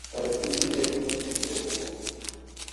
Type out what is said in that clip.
پرہ تُو دِگیر اِیں وطِن کہ مُو وو